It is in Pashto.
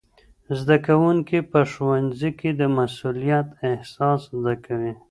زدهکوونکي په ښوونځي کي د مسئولیت احساس زده کوي.